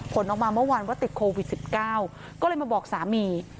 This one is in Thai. ผลออกมาเมื่อวานว่าติดโควิด๑๙ก็เลยมาบอกสามี